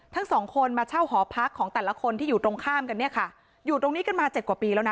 ทั้งสองคนมาเช่าหอพักของแต่ละคนที่อยู่ตรงข้ามกันเนี่ยค่ะอยู่ตรงนี้กันมาเจ็ดกว่าปีแล้วนะ